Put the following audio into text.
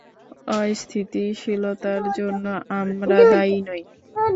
অস্থিতিশীলতার জন্য আমরা দায়ী নই?